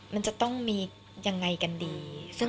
มันจะต้องมียังไงกันดี